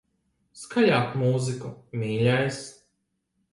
Skaļāk mūziku, mīļais.